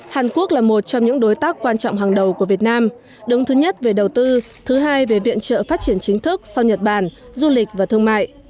hàn quốc là một trong những đối tác quan trọng hàng đầu của việt nam đứng thứ nhất về đầu tư thứ hai về viện trợ phát triển chính thức sau nhật bản du lịch và thương mại